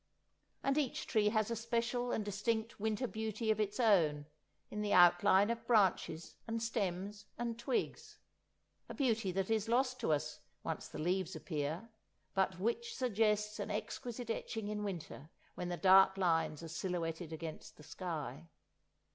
And each tree has a special and distinct winter beauty of its own in the outline of branches and stems and twigs—a beauty that is lost to us once the leaves appear, but which suggests an exquisite etching in winter when the dark lines are silhouetted against the sky.